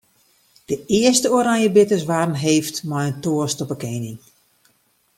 De earste oranjebitters waarden heefd mei in toast op 'e kening.